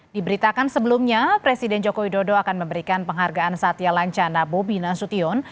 diberitakan sebelumnya presiden joko widodo akan memberikan penghargaan satya lancana bobi nasution